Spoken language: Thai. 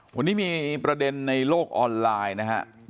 วันนี้มีประเด็นในโลกออนไลน์นะครับ